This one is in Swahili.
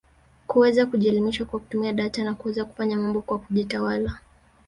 kuweza kujielimisha kwa kutumia data na kuweza kufanya mambo kwa kujitawala